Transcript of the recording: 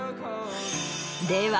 では